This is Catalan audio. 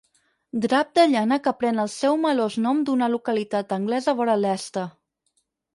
Drap de llana que pren el seu melós nom d'una localitat anglesa vora Leicester.